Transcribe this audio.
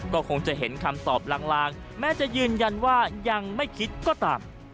ก็คงจะเห็นคำตอบลางแม้จะยืนยันว่ายังไม่คิดก็ตาม